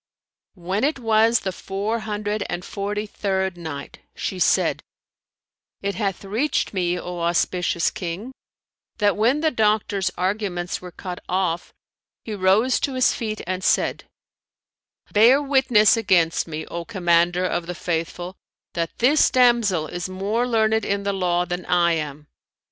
When it was the Four Hundred and Forty third Night, She said, It hath reached me, O auspicious King, that when the doctor's arguments were cut off, he rose to his feet and said, "Bear witness against me, O Commander of the Faithful, that this damsel is more learned in the Law than I am."